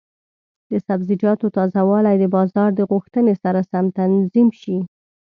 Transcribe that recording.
د سبزیجاتو تازه والی د بازار د غوښتنې سره سم تنظیم شي.